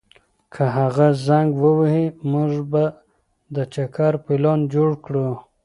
که هغه زنګ ووهي، موږ به د چکر پلان جوړ کړو.